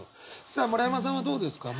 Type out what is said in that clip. さあ村山さんはどうですか？